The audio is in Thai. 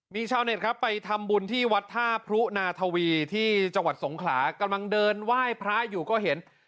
มีชาวเน็ตครับไปทำบุญที่วัดท่าพรุนาทวีที่จังหวัดสงขลากำลังเดินไหว้พระอยู่ก็เห็น